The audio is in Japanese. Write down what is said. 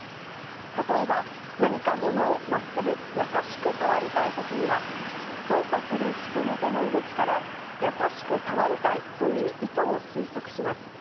例えば、何か物をまっすぐ優しく触りたいときには、操作する人の手の動きから、優しく触りたいという意図を推測します。